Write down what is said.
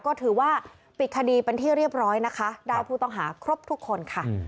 ก็ถือว่าปิดคดีเป็นที่เรียบร้อยนะคะได้ผู้ต้องหาครบทุกคนค่ะ